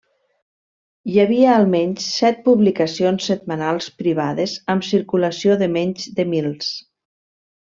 Hi havia almenys set publicacions setmanals privades amb circulació de menys de mils.